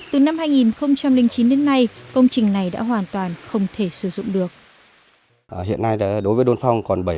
từ năm hai nghìn chín đến nay công trình này đã hoàn toàn không thể sử dụng được